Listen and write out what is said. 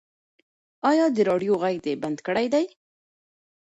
ایا د راډیو غږ دې بند کړی دی؟